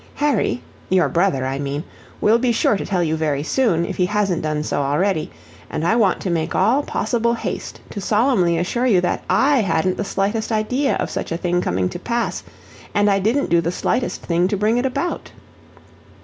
Harry your brother, I mean will be sure to tell you very soon, if he hasn't done so already, and I want to make all possible haste to solemnly assure you that I hadn't the slightest idea of such a thing coming to pass, and I didn't do the slightest thing to bring it about.